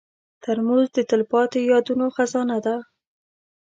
ترموز د تلپاتې یادونو خزانه ده.